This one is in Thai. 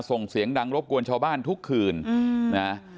ส่งเสียงดังรบกวนชาวบ้านทุกคืนนะ